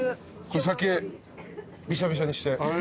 酒びしゃびしゃにして。